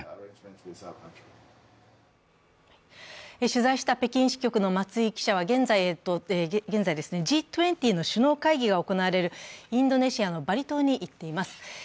取材した北京支局の松井記者は現在Ｇ２０の首脳会議が行われるインドネシアのバリ島に行っています。